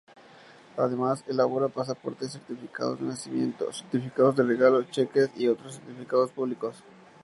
Además elabora pasaportes, certificados de nacimiento, certificados de regalo, cheques y otros certificados públicos.